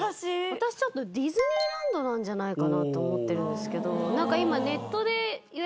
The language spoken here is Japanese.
私ディズニーランドなんじゃないかなと思ってるんですけど今ネットで予約。